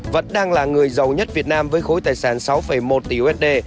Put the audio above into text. vẫn đang là người giàu nhất việt nam với khối tài sản sáu một tỷ usd